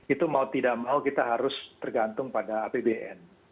itu mau tidak mau kita harus tergantung pada apbn